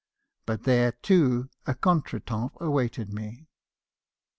But there, too, a contretemps awaited me.